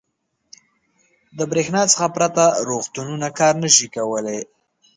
• د برېښنا څخه پرته روغتونونه کار نه شي کولی.